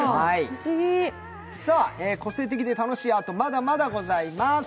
個性的で楽しいアート、まだまだございます。